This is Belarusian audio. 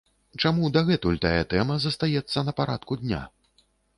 Чаму дагэтуль тая тэма застаецца на парадку дня?